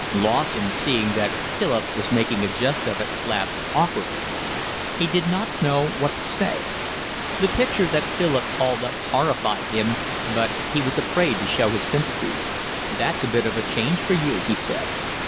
Lawson, seeing that Philip was making a jest of it, laughed awkwardly. He did not know what to say. The picture that Philip called up horrified him, but he was afraid to show his sympathy. "That's a bit of a change for you," he said.